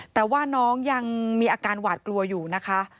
แต่ว่าน้องยังมีอาการหวาดกลัวอยู่นะคะ